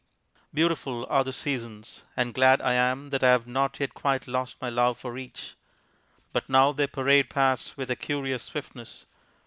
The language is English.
Beautiful are the seasons; and glad I am that I have not yet quite lost my love for each. But now they parade past with a curious swiftness!